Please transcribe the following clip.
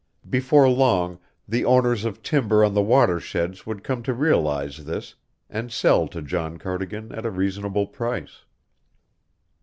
Before long the owners of timber on the watersheds would come to realize this and sell to John Cardigan at a reasonable price.